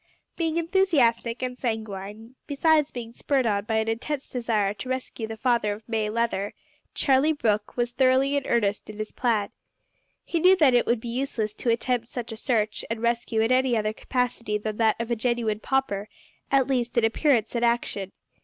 Being enthusiastic and sanguine, besides being spurred on by an intense desire to rescue the father of May Leather, Charlie Brooke was thoroughly in earnest in his plan. He knew that it would be useless to attempt such a search and rescue in any other capacity than that of a genuine pauper, at least in appearance and action.